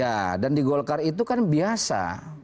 ya dan di golkar itu kan biasa